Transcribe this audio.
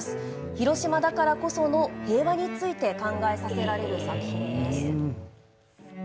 広島だからこその平和について考えさせられる作品です。